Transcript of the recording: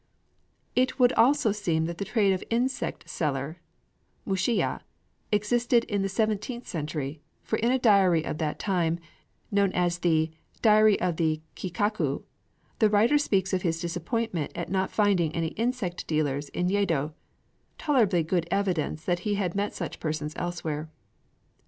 It would also seem that the trade of insect seller (mushiya) existed in the seventeenth century; for in a diary of that time, known as the Diary of Kikaku, the writer speaks of his disappointment at not finding any insect dealers in Yedo, tolerably good evidence that he had met such persons elsewhere.